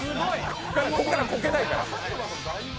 ここからコケないから。